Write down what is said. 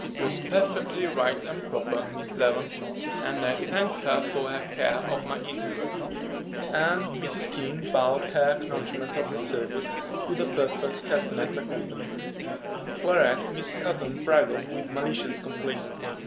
"It was perfectly right and proper, Miss Devon; and I thank her for her care of my interests." And Mrs. King bowed her acknowledgment of the service with a perfect castanet accompaniment, whereat Miss Cotton bridled with malicious complacency.